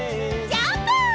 ジャンプ！